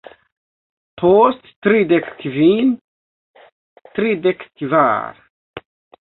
Post tridek kvin... tridek kvar